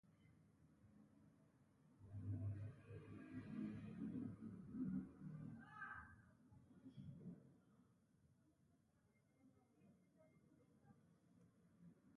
خوړل د لبنیاتو ګټه زیاتوي